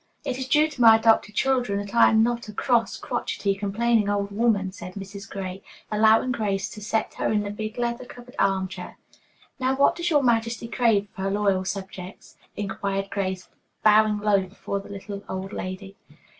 "It is due to my adopted children that I am not a cross, crotchety, complaining old woman," said Mrs. Gray, allowing Grace to seat her in the big leather covered arm chair. "Now, what does your Majesty crave of her loyal subjects?" inquired Grace, bowing low before the little, old lady.